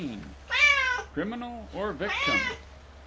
XIX CRIMINAL OR VICTIM?